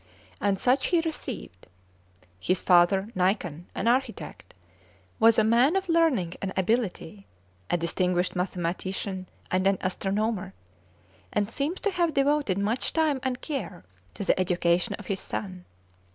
And such he received. His father, Nicon, an architect, was a man of learning and ability a distinguished mathematician and an astronomer and seems to have devoted much time and care to the education of his son.